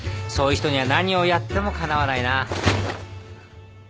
そういう人には何をやってもかなわないな。